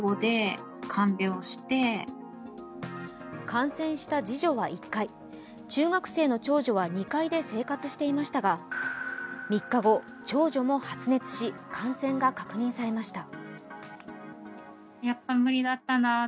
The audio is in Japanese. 感染した次女は１階中学生の長女は２階で生活していましたが３日後、長女も発熱し、感染が確認されました。